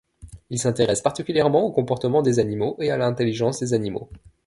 Il s’intéresse particulièrement aux comportements des animaux et à l’intelligence des animaux.